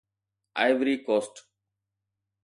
Ivory coast